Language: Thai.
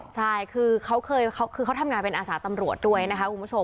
ใช่คือเขาเคยคือเขาทำงานเป็นอาสาตำรวจด้วยนะคะคุณผู้ชม